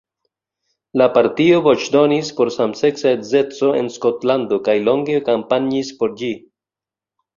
La partio voĉdonis por samseksa edzeco en Skotlando kaj longe kampanjis por ĝi.